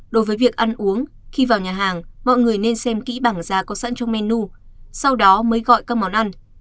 đối với việc ăn uống khi vào nhà hàng mọi người nên xem kỹ bảng da có sẵn trong menu sau đó mới gọi các món ăn